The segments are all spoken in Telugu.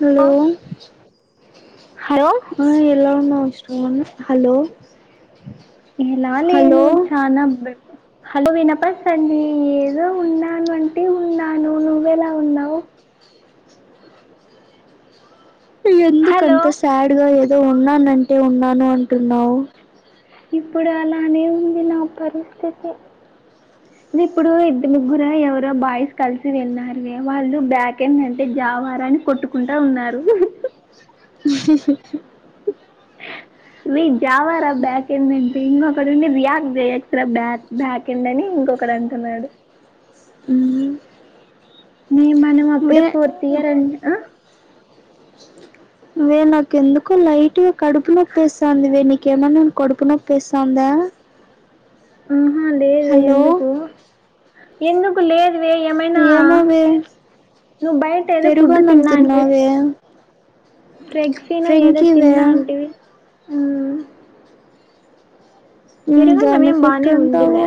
హలో హలో ఆ ఎలా ఉన్నావ్ స్టోన్ హలో హలో ఇలాలేము చానా హలో వినపస్తంది ఏదో ఉన్నాను అంటే ఉన్నాను నువ్వ ఎలా ఉన్నావు. ఎందుకు హలో అంత సాడ్గా ఏదో ఉన్నానంటే ఉన్నాను అంటున్నావ్. ఇప్పుడు అలానే ఉంది నా పరిస్థితి ఇప్పుడు ఇద్ ముగ్గుర ఎవరో బాయ్స్ కలిసి వెళ్ళారువే, వాళ్ళు బ్యాకెండ్ అంటే జావరా అని కొట్టుక్ కుంటా ఉన్నారు ఉహుహు ఉహుహుహు రే జావారా బ్యాకెండ్ అంటే ఇంకొక్కడు ఉండి రియాక్ ఎక్స్రా బ్యాక్ బ్యాక్ కిందని ఇంకొకడు అంటన్నాడు ఉ మే మనం అప్పుడే ఫోర్త్ ఇయర్ అనే ఆ వే నాకు ఎందుకో లైట్గా కడుపునప్పేసాందివే నీకేమైన్నా కడుపు నొప్పిస్తాందా. ఆహా లే హలో ఎందుకు ఎందుకు లేద్ వే ఏమైనా ఏమోవే నువ్ బయటేదో ఫుడ్ పెరుగన్నం తిన్నా అంటివి తిన్నావే ఫ్రెగ్సీనో ఏదో ఫ్రెంకీవే తిన్నా అంటివి ఉమ్ మ్మ్ పెరుగన్నం దాని ఏం ఎఫెక్ట్ బానేే ఉందిలే అంటావా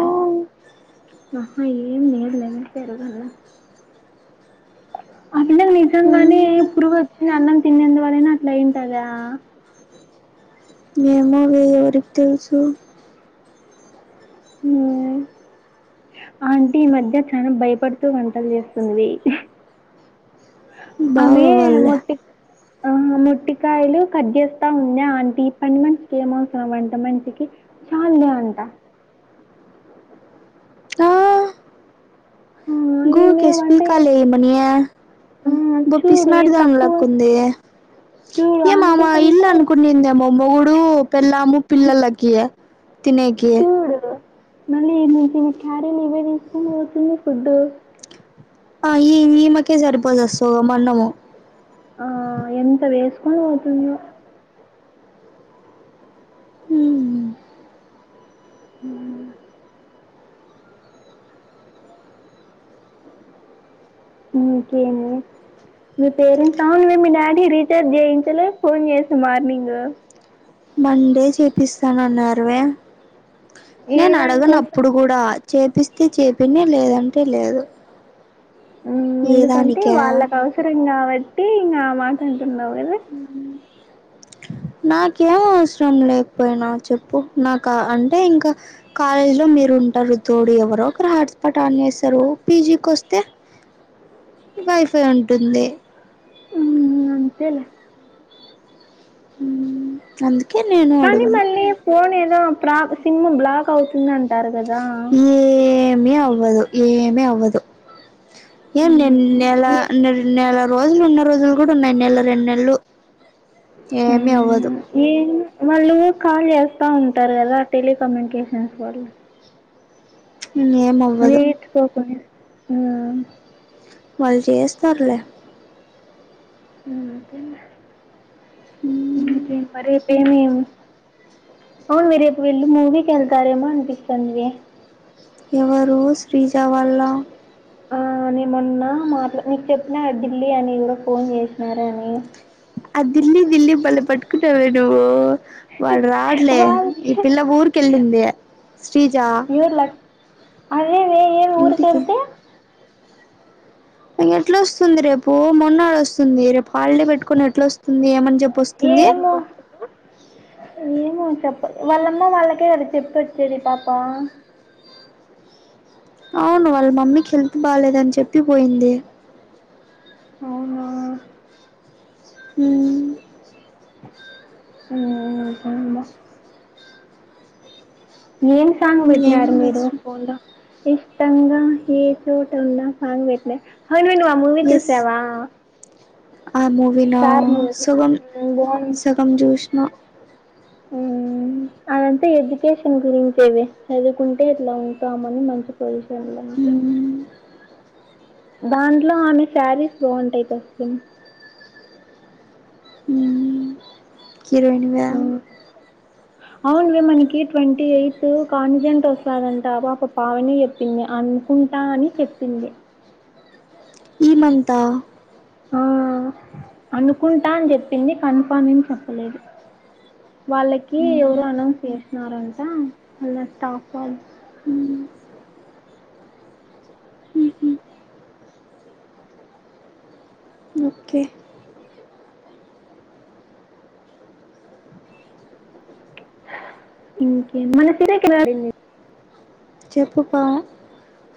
ఆహా ఏం లేదులే పెరుగన్నం అవిలే నిజంగానే మ్మ్ పురుగు వొచ్ అన్నం తినన్నందువలనా అట్లా ఆయింటాదా ఏమోవే ఎవరికి తెలుసు నువే ఆంటీ ఈ మధ్య చానా భయపడుతూ వంటలు చేస్తుంది హు. ఆమె బాగవ్వాలిలే మోటిక్ ఆ ఆ ముట్టికాయలు కట్ చేేస్తా ఉంద్య ఆంటీ పని మనిషికి ఏం అవసరం అంటా మనిషికి చాల్లే అంటా ఉ గుబికేసి పీకలే ఇయమ్మని ఆ బొ చూడు ఏ పిసినారి తక్కువ దానిలెక్క ఉందే. చూడు ఏం ఆంటీ ఆమె ఇల్లు కంటే అనుకుందేమో మొగుడు పెళ్ళాము పిల్లలకి తినేకి చూడు మళ్ళీ ఈమె క్యారీలు ఇవే తీసుకొని పోతుంది ఫుడ్డు ఆ ఈ ఈమకే సరిపోదు సగమన్నము ఆ ఎంత వేసుకొని పోతుందో ఉ ఇంకేమి మీ పేరెంట్స్ అవునువే మీ డాడీ రీచార్జ్ చేయించలే ఫోన్ చేసి మార్నింగు. మండే చేపిస్తాను అన్నారువే ఏ నేను అడగను దానికోసం అప్పుడు కూడా. చేపిస్తే చేపిని లేదంటే లేదు ఉమ్ ఏ ఎందుకంటే దానికే వాళ్ళకు అవసరం కాబట్టి ఇంకా ఆ మాట అంటున్నావు కదా. అ నాకేం అవసరం లేకపోయినా చెప్పు నాకు అ అంటే ఇంకా కాలేజ్లో మీరు ఉంటారు తోడు ఎవరో ఒకరు హాట్స్పాట్ ఆన్ చేస్తారు పీజీకి వస్తే అ వైఫై ఉంటుంది హుమ్ అంతేలే హుమ్ అందుకే నేను కానీ అడగను మళ్ళీ ఫోన్ ఏదో ప్రా సిమ్ బ్లాక్ అవుతుంది అంటారు కదా ఏమి అవ్వదు ఏమి అవ్వదు ఏం నేన్ మ్మ్. నెల ఏ నెల రోజులు ఉన్న రోజులు కూడా ఉన్నాయి నెల రెండు నెల్లు ఏమి అవ్వదు ఏ వాళ్ళు కాల్ చేస్తా ఉంటారు కదా టెలికమ్యూనికేషన్స్ వాళ్ళు ఏమ్ అవ్ మీట్ కోకుని ఆ వాళ్ళు చేస్తరులే అంతేలే మ్మ్. ఇంకెం మ రేపేమి అవును మే రేపు వీళ్ళు మూవీకి వెళ్తారేమో అనిపిస్తుంది ఎవరు శ్రీజ వాల్ల ఆ నేమొన్నా మాట్ నీకు చెప్పిన ఢిల్లీ అని ఎవరో ఫోన్ చేసినారని ఆ దిల్లీ దిల్లీ బలే పట్టుకున్నావే నువ్వు వాళ్ళు రార్లే వాళ్ళు ఈ పిల్ల ఊరికెళ్ళింది శ్రీజా ఎవర్ లక్ అదేనే ఏమ్ ఇంటికి ఊరుకెళ్తే ఎట్లోస్తుంది రేపు మొన్నాడ్ వస్తుంది రేపు హాలిడే పెట్టుకొని ఎట్లా వస్తుంది ఏమని చెప్ ఏమో ఏమో చెప్ప వాళ్ళమ్మ వాళ్ళకే కద చెప్పొచ్చేది ఈ పాప అవును వాళ్ళ మమ్మీకి హెల్త్ బాలేదని చెప్పి పోయింది అవునా హుమ్ హుమ్ ఏం సాంగ్ ఏం పెట్టినారు మీరు చేస్తాం ఫోన్ లో ఇష్టంగా ఏ చోట ఉన్నా సాంగ్ పెట్నా అవును మే నువ్వు ఆ మూవి ఎస్ చూసావా ఆ మూవీనా సార్ మూవీ సుగం బాగుంది సగం జుష్న హుమ్ అదంత ఎడ్యుకేషన్ గురించే వే చదువుకుంటే ఇట్లా ఉంటామని మంచి పొజిషన్ [unintelligible] ఉమ్, దాంట్లో ఆమె శారీస్ బాగుంటాయి [unintelligible] హుమ్ హిరోయిను ఆ అవును మే మనకి ట్వంటీ ఎయిత్ కాన్జెంట్ వస్తాదంట ఆ పాప పావని అనుకుంటా అని చెప్పింది ఈమంతా ఆ అనుకుంటా అని చెప్పింది కన్ఫామ్ ఏం చెప్పలేదు వాళ్ళకి ఎవరో అనౌన్స్ చేసినారంట వాళ్ళ స్టాప్ వాళ్ళు ఓకే ఇంకే [unintelligible] చెప్పు పా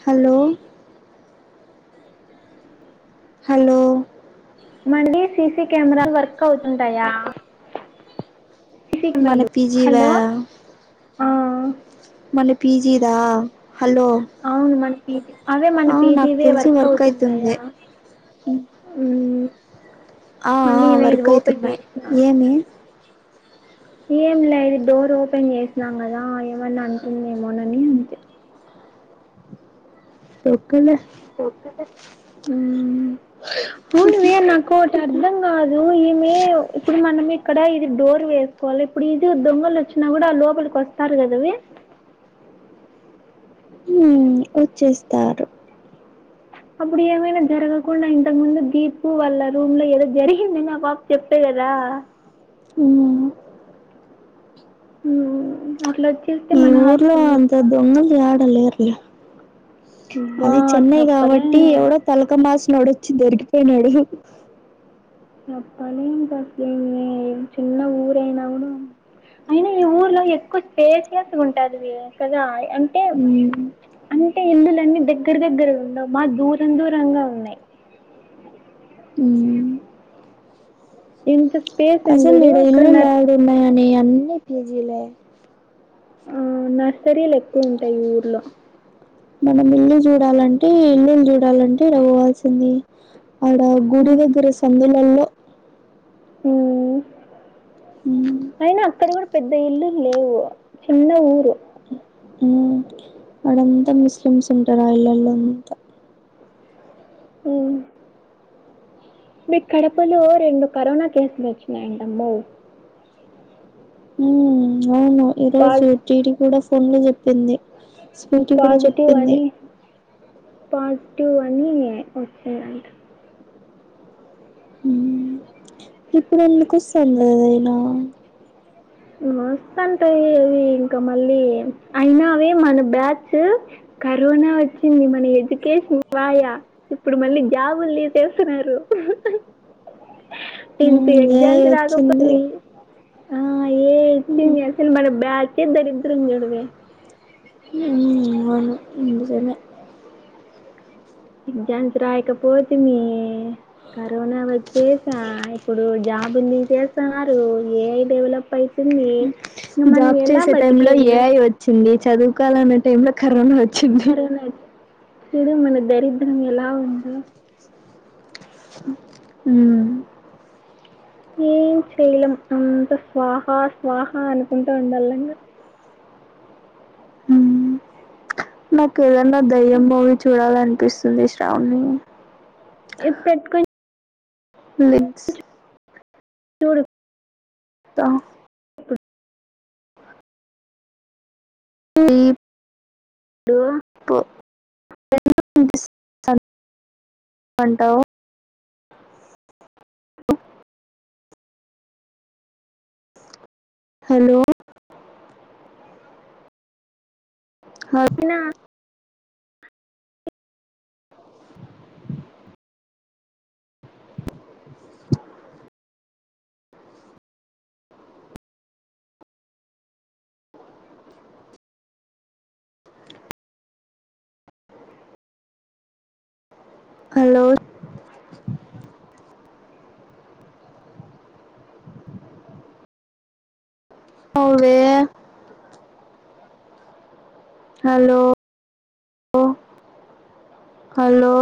హలో హలో మంది సిసి కెమెరాలు వర్క్ అవుతుంటాయా సీసీ మన కెమెరాలు పీజీ వా హలో ఆ మన పీజీదా హలో అవును మన పీజీ అవే మన ఆ నాకు పీజీవి తెలిసి వర్క్ అయితుంది అవుతుంటాయా ఊ ఆ మళ్లి ఆ ఇవి వర్క్ ఓపెన్ అయితున్నాయి చేస్నా ఏమి ఏం లే ఇది డోర్ ఓపెన్ చేసినాం కదా ఏమన్నా అంటుందేమోనని అంతే. తొక్కలే ఊ హు వే నాకు ఓటి అర్థం కాదూ ఈమే ఇప్పుడు మనం ఇక్కడ ఇది డోర్ వేస్ కోల ఇప్పుడు ఈజీగా దొంగలు వచ్చినా కూడా లోపలికి వస్తారు కదవే ఊ వచ్చేస్తారు అప్పుడు ఏమైనా జరగకుండా ఇంతకు ముందు దీపు వాళ్ళ రూమ్ లో ఏదో జరిగింది అని ఆ పాప చెప్పే కదా. మ్మ్ ఊ అట్ల ఈ ఊర్లో అంత దొంగల్ యాడ లేరులే. అబ్బా అది చెన్నై చెప్పలే కాబట్టి ఎవడో తలకమాసినోడొచ్చి దొరికిపోయినాడు. అట్టనే ఇంక అసలేం లే చిన్న ఊరైనకూడ అయినా ఈ ఊర్లో ఎక్కువ స్పేసియస్ ఉంటాది వే కదా, అంటే మ్మ్ అంటే ఇల్లులన్నీ దగ్గర దగ్గర ఉండవు మా దూరం దూరంగా ఉన్నయ్ ఊ ఇంత స్పేస్ ఉంది చూడు ఇక్కడ నర్ ఉన్నా గానీ అన్ని పీజీ లే ఆ నర్సరీలు ఎక్కువుంటాయ్ ఈ ఊర్లో మనం ఇల్లు చూడాలంటే ఇల్లులు చూడాలంటే ఈడ పోవాల్సింది ఆడ గుడి దగ్గర సందులల్లో ఊ మ్మ్ అయినా అక్కడ కూడా పెద్ద ఇల్లులు లేవు చిన్న ఊరు ఊ అంతా ముస్లిమ్స్ ఉంటరు ఆ ఇల్లొళ్లంతా ఊ మీ కడపలో రెండు కరోనా కేసులు వచ్చినాయంటమ్మో ఊ అవును ఈరోజు పాజ్ జీడి కూడా ఫోన్ లో చెప్పింది. స్వీటీ కూడా చెప్పింది. పార్ట్ టూ అని వచ్చిందంట. ఇప్పుడెందుకు వస్సంది అదైనా ఇంగ వస్తాంటయి అవి ఇంకా మళ్ళీ, అయినా అవే మన బ్యాచ్చు కరోనా వచ్చింది మన ఎడ్యుకేషన్ పాయ ఇప్పుడు మళ్ళీ జాబులు తీసేస్తున్నారు. టెన్త్ హ్మ్ ఎగ్జ ఏఐ మ్స్ వచ్చింది రాయకపోతిమి ఆ ఏ ఐ హ్మ్ వచ్చింది అసలు మన బ్యాచ్చే దరిద్రం చూడువే ఉ అవును నిజమే ఎగ్జామ్స్ రాయకపోతిమీ కరోనా వచ్చేసా, ఇప్పుడు జాబులు తీసేస్తన్నారు, ఏ ఐ డెవలప్ అయి తుందీ జాబ్ చేసే టైం లో ఏఐ వచ్చింది, చదువుకోవాలన టైం ల కరోనా వ కరోనా చూడె మన దరిద్రం ఎలా ఉంది ఉ ఏం చెయలేం అంత స్వాహ స్వాహ అనుకుంట ఉండల్లా ఇంగ హ్మ్ నాకు ఏదన్న దయ్యం మూవీ చూడాలనిపిస్తుంది శ్రావనీ. ఇప్ పెట్కొన్ లింక్స్ చూడు త ఈ డు కో [inaudible] అంటావ్ హలో హయ్ నా హలో అవ్వే హలో అ హలో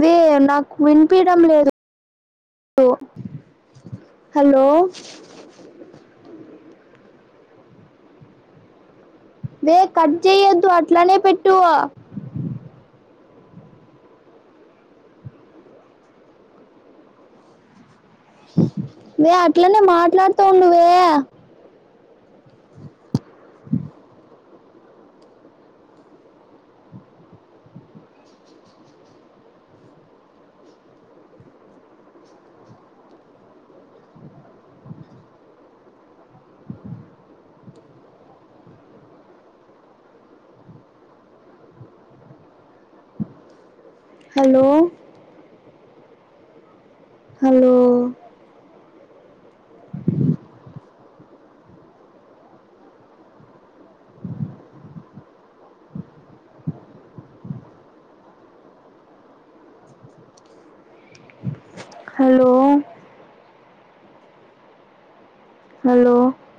వే నాకు వినిపిడం లేదు హలో వే కట్ చేయ్యొద్దు అట్లనే పెట్టు వే అట్లనే మాట్లాడుతు ఉండు వే హలో హలో హలో హలో